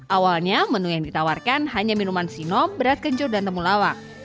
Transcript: awalnya menu yang ditawarkan hanya minuman sinom berat kencur dan temulawak